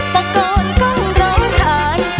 ก็ก้นต้องร้องขาดจะลั่นบ้านอยากแต่งานกับเธอ